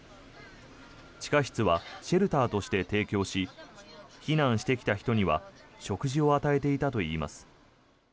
地下室はシェルターとして提供し避難してきた人には食事を与えていたといいます。